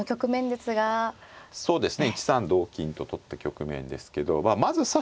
まあそうですね